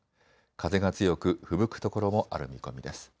風が強くふぶく所もある見込みです。